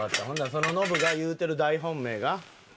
ほんならそのノブが言うてる大本命が？